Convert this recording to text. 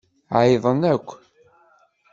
Ɛeyyḍen akk.